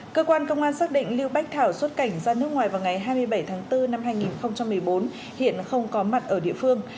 cơ quan công an xác định liêu bách thảo xuất cảnh ra nước ngoài vào ngày hai mươi bảy tháng bốn năm hai nghìn một mươi bốn hiện không có mặt ở địa phương